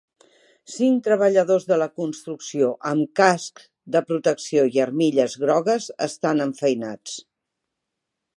Cinc treballadors de la construcció amb cascs de protecció i armilles grogues estan enfeinats.